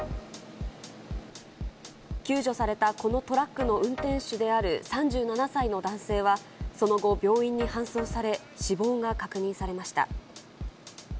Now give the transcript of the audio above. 救助されたこのトラックの運転手である３７歳の男性はその後、病院に搬送され、死亡が確認されました。